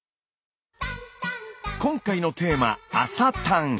今回のテーマ「朝たん」。